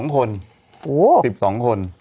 ๑๒คน